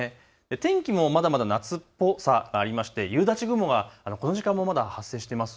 天気もまだまだ夏っぽさがありまして夕立雲がこの時間もまだ発生しています。